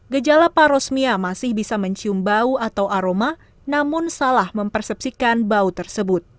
gejala parosmia masih bisa mencium bau atau aroma namun salah mempersepsikan bau tersebut